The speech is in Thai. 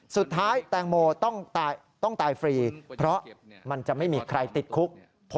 สุดท้ายแตงโมต้องตายฟรีเพราะมันจะไม่มีใครติดคุก